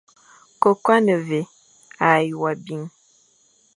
Koko a ne vé, a ye wo bi.